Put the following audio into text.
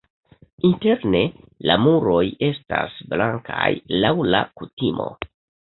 Interne la muroj estas blankaj laŭ la kutimo.